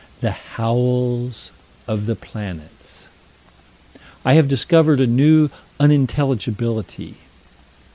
The howls of the planets. I have discovered a new unintelligibility.